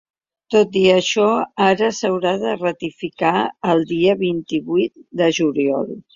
Tot i això, ara s’haurà de ratificar el dia vint-i-vuit de juliol.